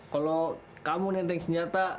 kalo kamu nenteng senjata